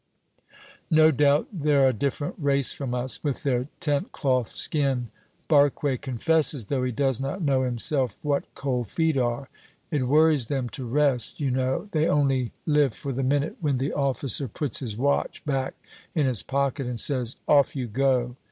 "No doubt they're a different race from us, with their tent cloth skin," Barque confesses, though he does not know himself what "cold feet" are. "It worries them to rest, you know; they only live for the minute when the officer puts his watch back in his pocket and says, 'Off you go!'"